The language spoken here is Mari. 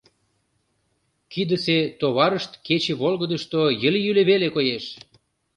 Кидысе товарышт кече волгыдышто йыли-юли веле коеш.